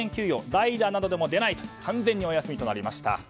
代打などでも出ないという完全にお休みとなりました。